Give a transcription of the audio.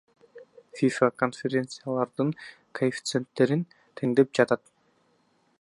ФИФА конфедерациялардын коэффициенттерин теңдеп жатат